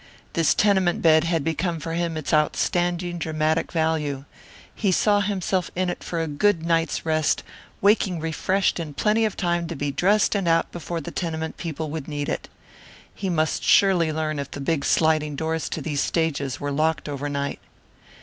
This tenement bed had become for him its outstanding dramatic value. He saw himself in it for a good night's rest, waking refreshed in plenty of time to be dressed and out before the tenement people would need it. He must surely learn if the big sliding doors to these stages were locked overnight.